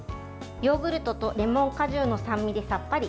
ヨーグルトとレモン果汁の酸味でさっぱり。